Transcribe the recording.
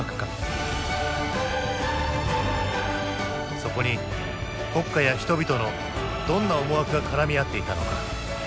そこに国家や人々のどんな思惑が絡み合っていたのか。